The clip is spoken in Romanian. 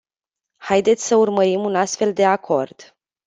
Haideți să urmărim un astfel de acord.